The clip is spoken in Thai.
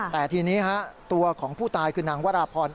แต่ทีนี้ตัวของผู้ตายคือนางวราพร